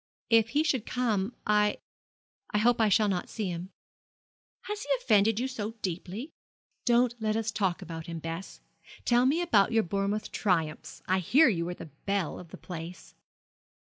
'If he should come I I hope I shall not see him.' 'Has he offended you so deeply?' 'Don't let us talk about him, Bess. Tell me all about your Bournemouth triumphs. I hear you were the belle of the place.'